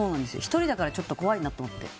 １人だからちょっと怖いなと思って。